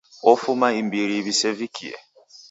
Ofuma imbiri w'isevikie.